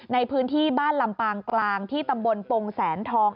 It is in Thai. ในพื้นที่บ้านลำปางกลางที่ตำบลปงแสนทอง